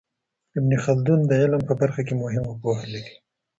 ابن خلدون د علم په برخه کي مهمه پوهه لري.